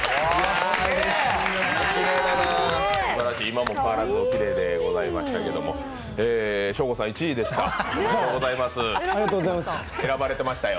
今も変わらずおきれいでございましたけどもショーゴさん、１位でした。